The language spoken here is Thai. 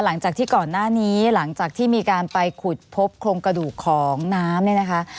หลังจากที่ก่อนหน้านี้หลังจากที่มีการไปขุดพบโครงกระดูกของน้ำเนี่ยนะคะ